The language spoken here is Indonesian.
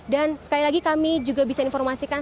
dan sekali lagi kami juga bisa informasikan